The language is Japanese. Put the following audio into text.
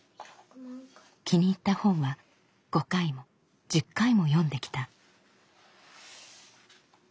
気に入った本は５回も１０回も読んできた。